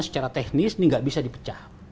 secara teknis ini nggak bisa dipecah